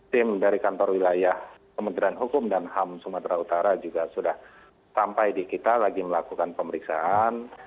tim dari kantor wilayah kementerian hukum dan ham sumatera utara juga sudah sampai di kita lagi melakukan pemeriksaan